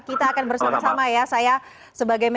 kita akan bersama sama ya